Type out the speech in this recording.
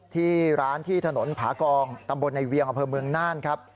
ที่ร้านที่ถนนผากองตำบลในเวียงอำเภอเมืองน่านครับ